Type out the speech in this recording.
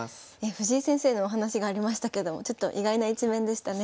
藤井先生のお話がありましたけどちょっと意外な一面でしたね。